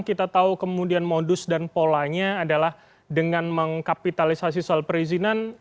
kita tahu kemudian modus dan polanya adalah dengan mengkapitalisasi soal perizinan